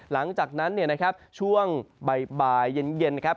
หลังจากนั้นเนี่ยนะครับช่วงบ่ายเย็นนะครับ